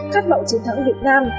khát vọng chứng thắng việt nam